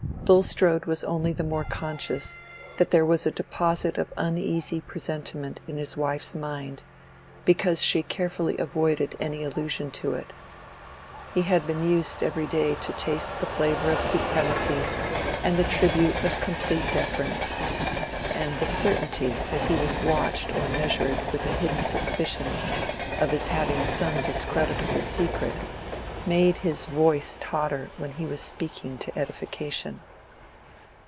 Bulstrode was only the more conscious that there was a deposit of uneasy presentiment in his wife's mind, because she carefully avoided any allusion to it. He had been used every day to taste the flavor of supremacy and the tribute of complete deference: and the certainty that he was watched or measured with a hidden suspicion of his having some discreditable secret, made his voice totter when he was speaking to edification.